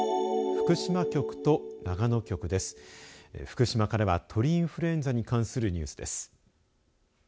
福島からは鳥インフルエンザに関するニュースです。